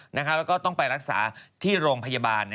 แล้วก็ต้องไปรักษาที่โรงพยาบาล